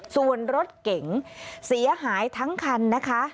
ส่วนรถเก๋งเสียหายทั้งคันนะคะ